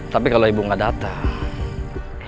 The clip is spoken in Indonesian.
tapi kalo ibu gak datang